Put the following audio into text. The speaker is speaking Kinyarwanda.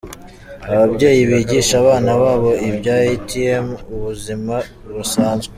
Ababyeyi bigisha abana babo iby’ubuzima busanzwe.